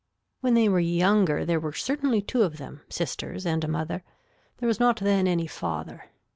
When they were younger there were certainly two of them, sisters, and a mother. There was not then any father.